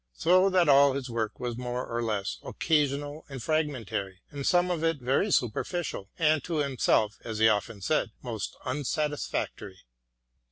So that all his work was more or less occasional and fragmentary, and some of it very superficial, and to himself, as he often said, most unsatisfactory.